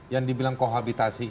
yang dibilang kohabitasi